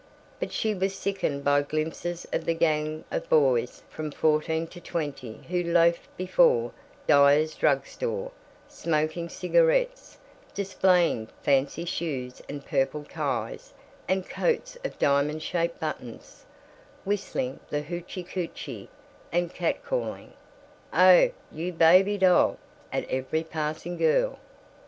But she was sickened by glimpses of the gang of boys from fourteen to twenty who loafed before Dyer's Drug Store, smoking cigarettes, displaying "fancy" shoes and purple ties and coats of diamond shaped buttons, whistling the Hoochi Koochi and catcalling, "Oh, you baby doll" at every passing girl.